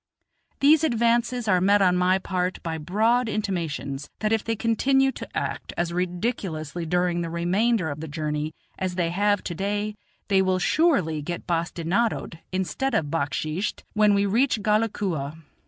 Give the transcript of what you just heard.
These advances are met on my part by broad intimations that if they continue to act as ridiculously during the remainder of the journey as they have to day they will surely get well bastinadoed, instead of backsheeshed, when we reach Ghalakua.